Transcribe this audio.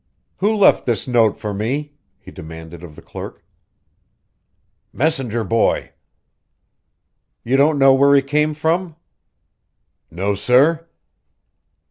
"Who left this note for me?" he demanded of the clerk. "Messenger boy." "You don't know where he came from?" "No, sir."